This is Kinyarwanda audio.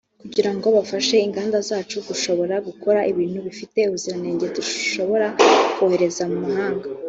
kugira ngo bafashe inganda zacu gushobora gukora ibintu bifite ubuziranenge dushobora kohereza mu mahanga